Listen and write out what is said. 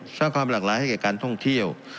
สร้างความหลากหลายให้แก่การท่องเที่ยว